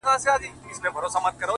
o پرون مي دومره درته وژړله؛